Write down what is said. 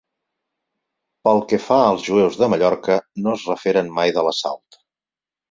Pel que fa als jueus de Mallorca, no es referen mai de l'assalt.